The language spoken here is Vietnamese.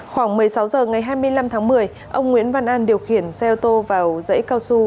khoảng một mươi sáu h ngày hai mươi năm tháng một mươi ông nguyễn văn an điều khiển xe ô tô vào dãy cao su